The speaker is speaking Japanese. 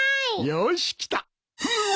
よしきた。